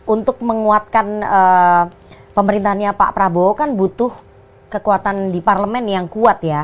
untuk menguatkan pemerintahnya pak prabowo kan butuh kekuatan di parlemen yang kuat ya